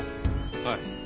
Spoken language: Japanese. はい。